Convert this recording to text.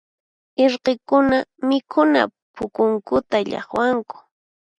Irqikuna mikhuna p'ukunkuta llaqwanku.